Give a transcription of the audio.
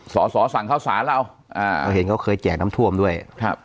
สอสอสั่งข้าวสารเราอ่าเขาเห็นเขาเคยแจกน้ำท่วมด้วยครับ